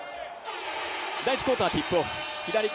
第１クオーター、ティップオフ。